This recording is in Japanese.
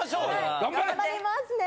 頑張りますね。